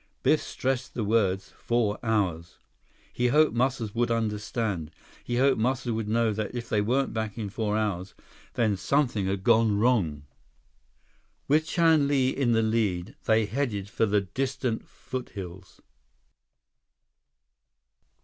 Biff stressed the words, "four hours." He hoped Muscles would understand. He hoped Muscles would know that if they weren't back in four hours, then something had gone wrong. With Chan Li in the lead, they headed for the distant foothills.